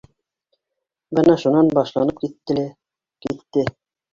Бына шунан башланып китте лә китте.